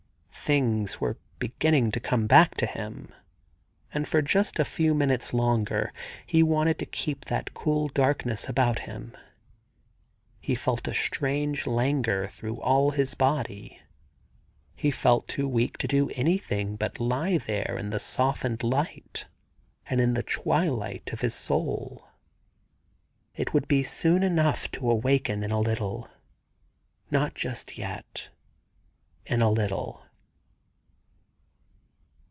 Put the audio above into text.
Things were beginning to come back to him, and for just a few minutes longer he wanted to keep that cool darkness about him. He felt a strange languor through all his body ; he felt too weak to do anything but lie there in the softened light, and in the twilight of his soul. It 102 THE GARDEN GOD would be soon enough to awaken in a little — not just yet — in a little.